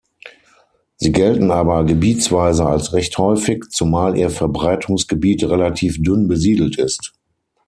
Sie gelten aber gebietsweise als recht häufig, zumal ihr Verbreitungsgebiet relativ dünn besiedelt ist.